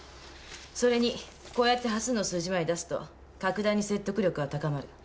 それにこうやって端数の数字まで出すと格段に説得力は高まる。